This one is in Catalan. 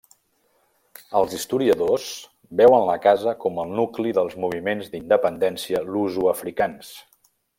Els historiadors veuen la casa com el nucli dels moviments d'independència lusoafricans.